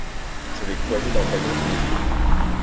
Je l'ai croisée dans le wagon du métro.